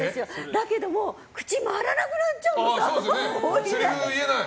だけども口が回らなくなっちゃうの。